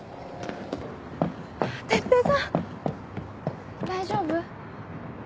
哲平さん大丈夫？